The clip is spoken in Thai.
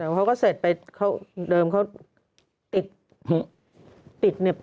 แต่ว่าเขาก็เสร็จไปเดิมเขาติด